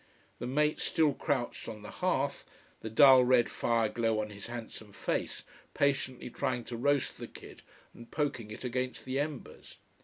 The mate still crouched on the hearth, the dull red fire glow on his handsome face, patiently trying to roast the kid and poking it against the embers.